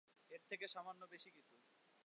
এর থেকে সামান্য বেশিকিছু।